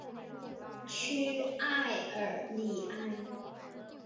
屈埃尔里安。